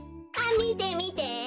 あっみてみて！